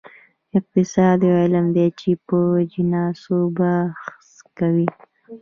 اقتصاد یو علم دی چې په اجناسو بحث کوي.